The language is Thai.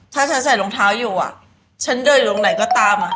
ถ้าฉันใส่รองเท้าอยู่อ่ะฉันเดินอยู่ตรงไหนก็ตามอ่ะ